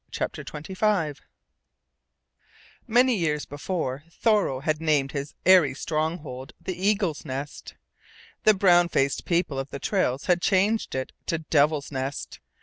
CHAPTER TWENTY FIVE Many years before, Thoreau had named his aerie stronghold the Eagle's Nest. The brown faced people of the trails had changed it to Devil's Nest.